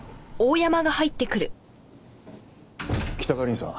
北川凛さん。